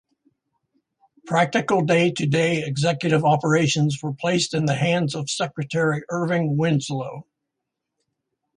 Practical day-to-day executive operations were placed in the hands of Secretary Erving Winslow.